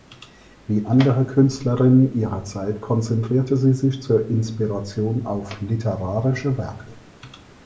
Wie andere Künstlerinnen ihrer Zeit konzentrierte sie sich zur Inspiration auf literarische Werke.